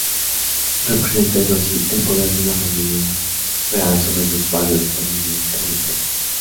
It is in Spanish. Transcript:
Representa, eso sí, el poder de una familia real sobre sus varios dominios europeos.